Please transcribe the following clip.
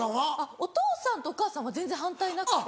お父さんとお母さんは全然反対なくて。